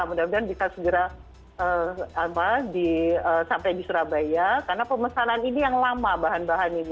mudah mudahan bisa segera sampai di surabaya karena pemesanan ini yang lama bahan bahannya